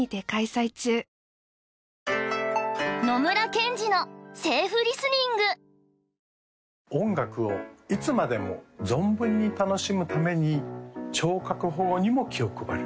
チャンネルはそのままで音楽をいつまでも存分に楽しむために聴覚保護にも気を配る